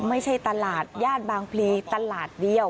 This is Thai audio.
ไม่ใช่ตลาดย่านบางพลีตลาดเดียว